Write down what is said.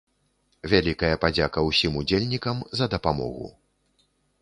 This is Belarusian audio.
Вялікая падзяка усім удзельнікам за дапамогу!